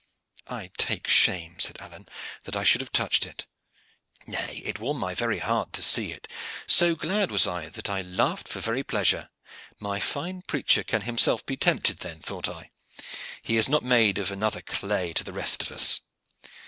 "I take shame," said Alleyne, "that I should have touched it." "Nay, it warmed my very heart to see it. So glad was I, that I laughed for very pleasure. My fine preacher can himself be tempted then, thought I; he is not made of another clay to the rest of us."